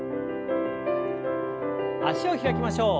脚を開きましょう。